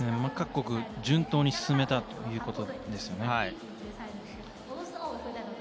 各国、順当に進めたということですよね。